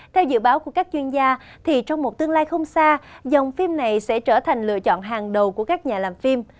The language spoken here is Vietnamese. theo dự báo của các chuyên gia trong một tương lai không xa dòng phim này sẽ trở thành lựa chọn hàng đầu của các nhà làm phim